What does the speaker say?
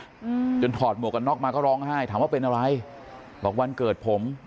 อืมจนถอดหมวกกันน็อกมาก็ร้องไห้ถามว่าเป็นอะไรบอกวันเกิดผม